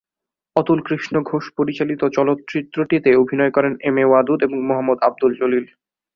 অতুলকৃষ্ণ ঘোষ পরিচালিত চলচ্চিত্রটিতে অভিনয় করেন এম এ ওয়াদুদ এবং মোহাম্মদ আব্দুল জলিল।